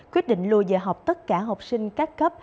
quyết định lùi giờ học tất cả học sinh các cấp